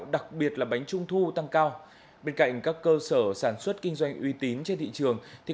đặc biệt là bánh trung thu tăng cao bên cạnh các cơ sở sản xuất kinh doanh uy tín trên thị trường